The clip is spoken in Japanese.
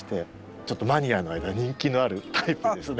ちょっとマニアの間で人気のタイプですね。